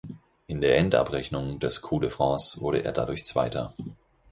In der Endabrechnung des Coupe de France wurde er dadurch Zweiter.